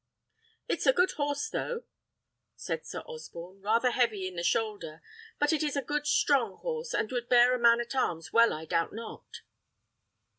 "It is a good horse, though," said Sir Osborne; "rather heavy in the shoulder. But it is a good strong horse, and would bear a man at arms well, I doubt not."